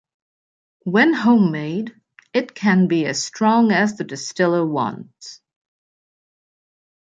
When homemade, it can be as strong as the distiller wants.